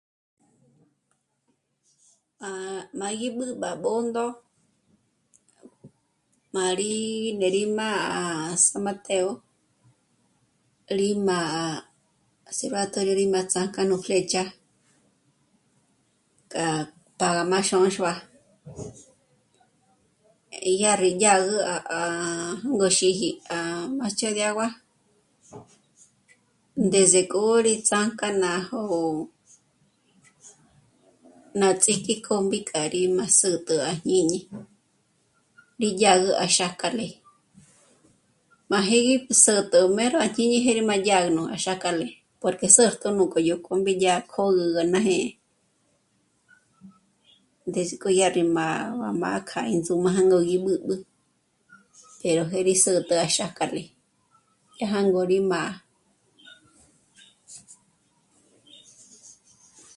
Máji b'ǘ à Bṓndo, má rí né'e rí má'a à San Mateo, rí má'a Observatorio rí má'a ts'â'a k'a nú flécha k'a pa gá má à Xônxua. Yá rí dyârü à, à gó xíji à Macho de Agua, ndézek'o rí ts'ánk'a ná jó'o, ná ts'íjk'i kómbi k'a rí má s'ä̌t'ä à jñíñi. Rí dyá gú à Xájk'alé, má jíji gú s'ä̌t'a o mé'e ró à jñíñi jé má dyá rú má à Xájk'alé porque sǚrtü nú k'o yó kómbi yá jôgü já ná jé'e, ndízik'o yá rí má'a, rá má'a k'a índzǔm'ü jângo rí b'ǚb'ü, pero ndé rí s'ä̌t'ä à Xájk'alé, é jângo rí má'a